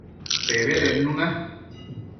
Pebedednu na